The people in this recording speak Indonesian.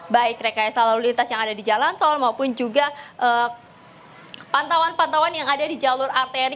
baik rekayasa lalu lintas yang ada di jalan tol maupun juga pantauan pantauan yang ada di jalur arteri